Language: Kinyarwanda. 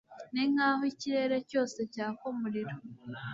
Ninkaho ikirere cyose cyaka umuriro.